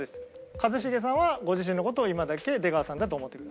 一茂さんはご自身の事を今だけ出川さんだと思ってください。